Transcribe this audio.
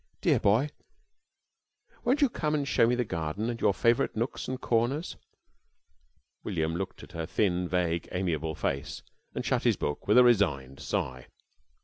"Dear boy! Won't you come and show me the garden and your favourite nooks and corners?" William looked at her thin, vague, amiable face, and shut his book with a resigned sigh.